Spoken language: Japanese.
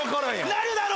なるだろ？